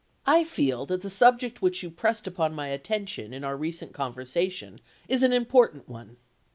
" I feel that the subject which you pressed upon my attention in our recent conversation is an im portant one.